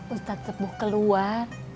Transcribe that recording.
ustadz sefu keluar